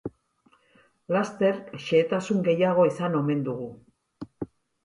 Laster xehetasun gehiago izango omen dugu.